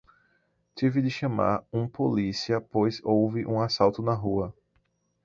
Tive de chamar um polícia pois houve um assalto na rua.